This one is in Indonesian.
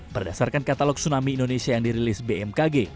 berdasarkan katalog tsunami indonesia yang dirilis bmkg